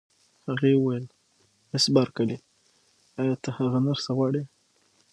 هغې وویل: مس بارکلي، ایا ته هغه نرسه غواړې؟